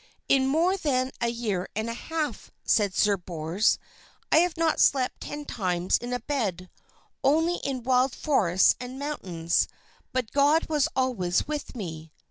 "In more than a year and half," said Sir Bors, "I have not slept ten times in a bed, only in wild forests and mountains; but God was always with me."